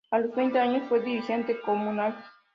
A los veinte años fue dirigente comunal.